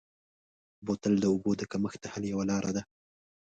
بوتل د اوبو د کمښت د حل یوه لاره ده.